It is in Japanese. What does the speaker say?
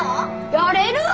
やれるわ！